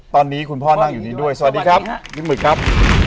ตอนนี้คุณพ่อนั่งอยู่นี้ด้วยสวัสดีครับพี่หมึกครับ